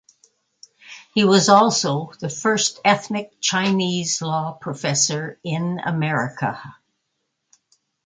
He was also the first ethnic Chinese law professor in America.